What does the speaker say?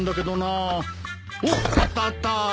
おっあったあった。